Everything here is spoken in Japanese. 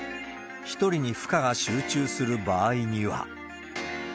１人に負荷が集中する場合には。